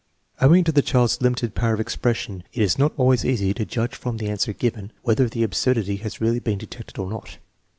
Owing to the child's limited power of expression it is not always easy to judge from the answer given whether the absurdity has really been detected or not.